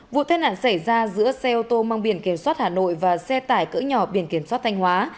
vụ tai nạn xảy ra giữa xe ô tô mang biển kiểm soát hà nội và xe tải cỡ nhỏ biển kiểm soát thanh hóa